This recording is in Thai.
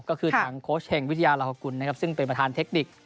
ก็คือทางโค้ชแห่งวิทยาลักษณ์ซึ่งเป็นประธานเทคนิค